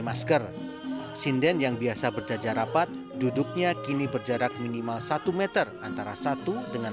masker sinden yang biasa berjajar rapat duduknya kini berjarak minimal satu meter antara satu dengan